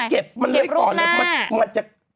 เก็บรุ่นหน้า